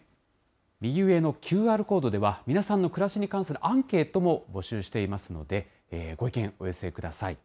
右上のＱＲコードでは、皆さんの暮らしに関するアンケートも募集していますので、ご意見お寄せください。